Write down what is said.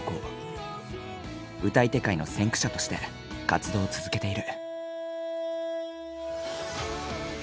歌い手界の先駆者として活動を続けている。